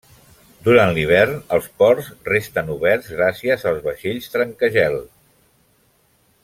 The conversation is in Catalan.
Durant l'hivern els ports resten oberts gràcies als vaixells trencagel.